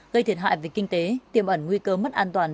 gây thiệt hại về kinh tế tiêm ẩn nguy cơ mất an toàn